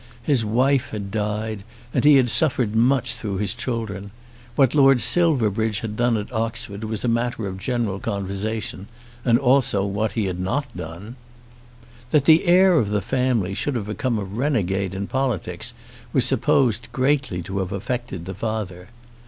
His wife had died, and he had suffered much through his children. What Lord Silverbridge had done at Oxford was matter of general conversation, and also what he had not done. That the heir of the family should have become a renegade in politics was supposed greatly to have affected the father.